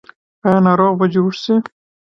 آیا ناروغ به جوړ شي؟